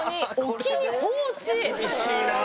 厳しいな。